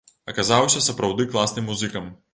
Аказаўся, сапраўды класным музыкам.